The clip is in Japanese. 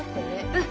うん。